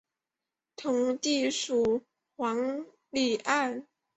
同母弟蜀王李愔。